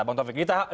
atau dari pak prabowo